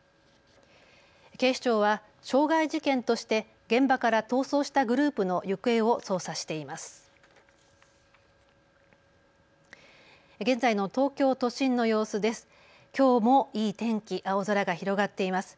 警視庁は傷害事件として現場から逃走したグループの行方を捜査しています。